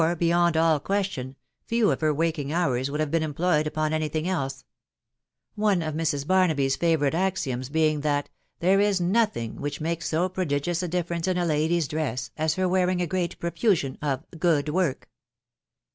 beyond all ques tion, few of her waking hours would have been employed upon any thing eke ; one of Mrs. Barnaby s favourite axiom* being, that " there is nothing which makes .so prodigious a difference in a lady's dress, as her wearing a great psofiisiam of good work